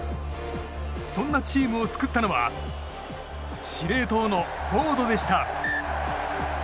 そんなチームを救ったのは司令塔のフォードでした。